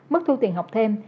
mức thu tiền học thêm